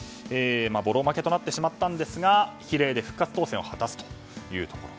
ぼろ負けとなってしまったんですが比例で復活当選を果たすということ。